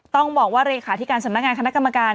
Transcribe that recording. ต้องบอกว่าเลขาธิการสำนักงานคณะกรรมการ